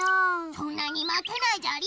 そんなにまてないじゃり。